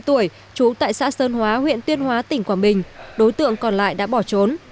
trú tại xã sơn hóa huyện tuyên hóa tỉnh quảng bình đối tượng còn lại đã bỏ trốn